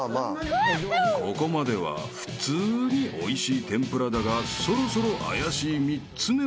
［ここまでは普通においしい天ぷらだがそろそろ怪しい３つ目は？］